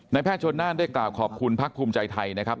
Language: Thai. ในแพทย์ชนนั่นได้กลับขอบคุณภาคภูมิใจไทยนะครับ